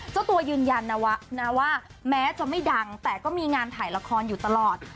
เจ้าตัวยืนยันนะว่าแม้จะไม่ดังแต่ก็มีงานถ่ายละครอยู่ตลอด